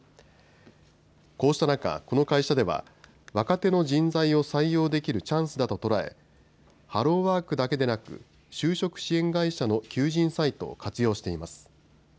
こうした中、この会社では若手の人材を採用できるチャンスだと捉えハローワークだけでなく就職支援会社の求人サイトを活用しています。